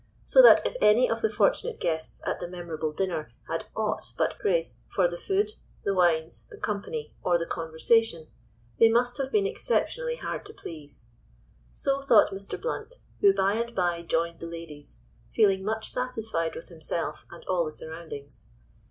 So that if any of the fortunate guests at that memorable dinner had aught but praise for the food, the wines, the company, or the conversation, they must have been exceptionally hard to please. So thought Mr. Blount, who by and by joined the ladies, feeling much satisfied with himself and all the surroundings.